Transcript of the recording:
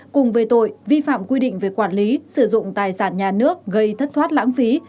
cùng về tội vi phạm quy định về quản lý sử dụng tài sản nhà nước gây thất thoát lãng phí